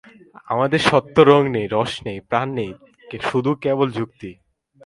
আমাদের সত্যে রঙ নেই, রস নেই, প্রাণ নেই, শুধু কেবল যুক্তি।